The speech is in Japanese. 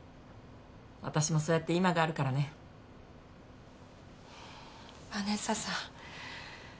私もそうやって今があるからねヴァネッサさん